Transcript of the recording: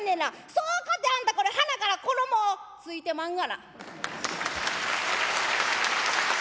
「そうかてあんたこれはなから衣ついてまんがな」。